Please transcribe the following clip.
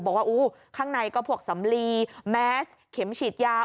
บอกว่าอู้ข้างในก็พวกสำลีแมสเข็มฉีดยา